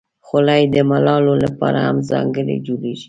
خولۍ د ملالو لپاره هم ځانګړې جوړیږي.